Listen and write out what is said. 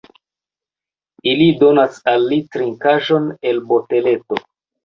Ili donas al li trinkaĵon el boteleto.